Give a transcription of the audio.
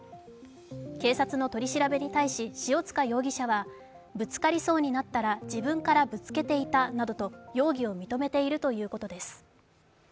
警察の取り調べに対し塩塚容疑者はぶつかりそうになったら自分からぶつけていたなどと、容疑を認めているということです。